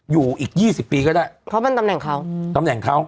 อยู่อีก๒๐ปีก็ได้